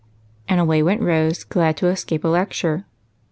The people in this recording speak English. And away went Rose, glad to escape a lecture.